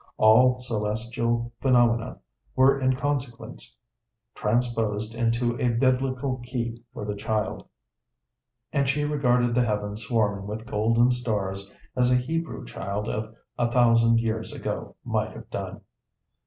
All celestial phenomena were in consequence transposed into a Biblical key for the child, and she regarded the heavens swarming with golden stars as a Hebrew child of a thousand years ago might have done.